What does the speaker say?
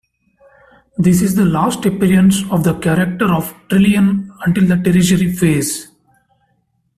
This is the last appearance of the character of Trillian until the Tertiary Phase.